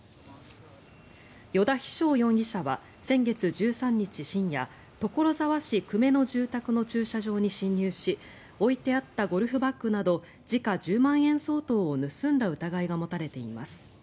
依田飛翔容疑者は先月１３日深夜所沢市久米の住宅の駐車場に侵入し置いてあったゴルフバッグなど時価１０万円相当を盗んだ疑いが持たれています。